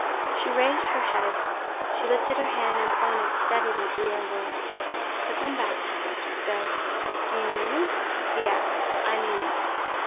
She raised her head; she lifted her hand and pointed steadily to the envelopes. "Put them back," she said. "Do you mean it?" he asked. "I mean it."